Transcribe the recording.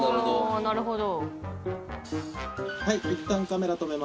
あなるほど。